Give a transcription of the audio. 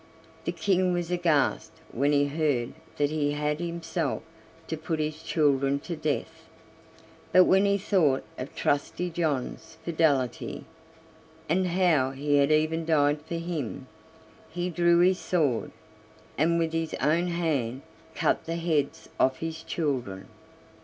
The King was aghast when he heard that he had himself to put his children to death; but when he thought of Trusty John's fidelity, and how he had even died for him, he drew his sword, and with his own hand cut the heads off his children.